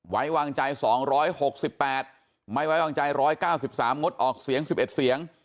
ไว้วางใจ๒๖๘ไม่ไว้วางใจ๑๙๓งดออกเสียง๑๑เสียง